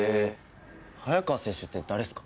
早川雪洲って誰っすか？